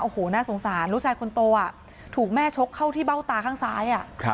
โอ้โหน่าสงสารลูกชายคนโตถูกแม่ชกเข้าที่เบ้าตาข้างซ้าย